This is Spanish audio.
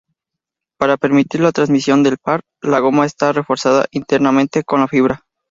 Para permitir la transmisión del par, la goma está reforzada internamente con fibra.